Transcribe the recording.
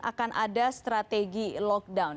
akan ada strategi lockdown